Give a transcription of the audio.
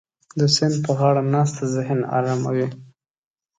د سیند په غاړه ناسته ذهن اراموي.